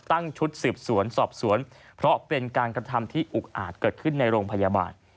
ตั้งชุดสืบสวนสอบสวนเพราะเป็นการกระทำที่อุกอาจเกิดขึ้นในโรงพยาบาล